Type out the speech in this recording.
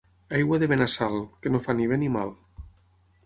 Aigua de Benassal, que no fa ni bé ni mal.